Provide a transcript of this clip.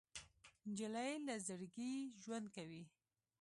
نجلۍ له زړګي ژوند کوي.